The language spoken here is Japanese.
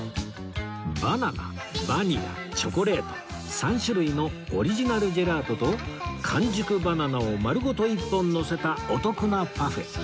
バナナバニラチョコレート３種類のオリジナルジェラートと完熟バナナを丸ごと１本のせたお得なパフェ